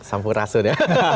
sampu rasu deh